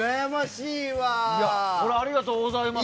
ありがとうございます。